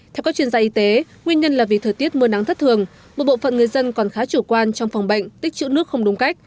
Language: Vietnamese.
theo các chuyên gia y tế nguyên nhân là vì thời tiết mưa nắng thất thường một bộ phận người dân còn khá chủ quan trong phòng bệnh tích chữ nước không đúng cách